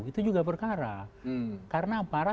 itu juga berkara